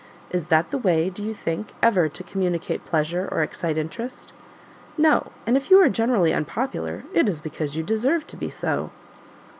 Is that the way, do you think, ever to communicate pleasure or excite interest? No; and if you are generally unpopular, it is because you deserve to be so."